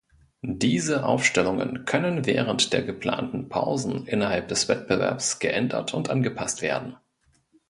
Diese Aufstellungen können während der geplanten Pausen innerhalb des Wettbewerbs geändert und angepasst werden.